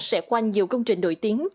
sẽ quanh nhiều công trình nổi tiếng